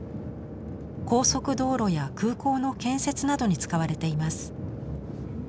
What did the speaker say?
高速道路や空港の建設などに使われています。